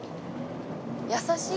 優しい。